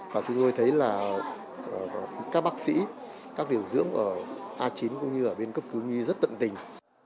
và chúng tôi thấy là các bác sĩ các điều dưỡng ở a chín cũng như ở bên cấp cứu nhi rất tận tình